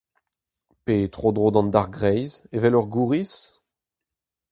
Pe tro-dro d'an dargreiz evel ur gouriz ?